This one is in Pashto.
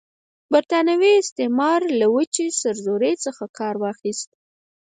برټانوي استعمار له وچې سرزورۍ څخه کار واخیست.